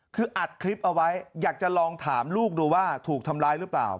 คืออัดคลิปเอาไว้อยากจะลองถามลูกดูว่าถูกทำร้ายหรือเปล่า